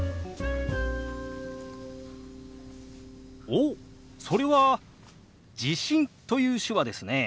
おっそれは「地震」という手話ですね。